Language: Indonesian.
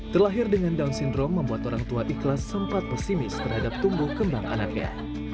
terlahir dengan down syndrome membuat orang tua ikhlas sempat pesimis terhadap tumbuh kembang anaknya